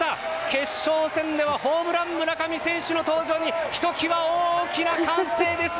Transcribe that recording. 決勝戦ではホームラン村上選手の登場にひと際、大きな歓声です。